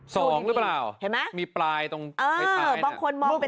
สองหรือเปล่าเห็นไหมมีปลายตรงเออบางคนมองเป็น